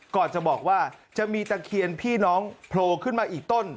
ก่อนจะบอกว่าจะมีตะเคียนพี่น้องโผล่ขึ้นมาอีกต้น